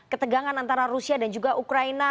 ketegangan antara rusia dan juga ukraina